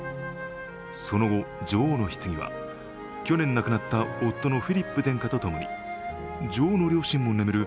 その後、女王のひつぎは去年亡くなった夫のフィリップ殿下と共に女王の両親も眠る